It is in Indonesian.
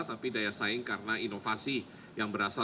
tapi daya saing karena inovasi yang berasal dari kita